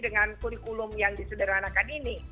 dengan kurikulum yang disederhanakan ini